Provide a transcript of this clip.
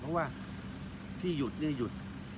เพราะว่าที่หยุดเนี่ยหยุด